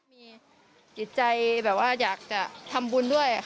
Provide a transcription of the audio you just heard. มีจิตใจอยากจะทำบุญด้วย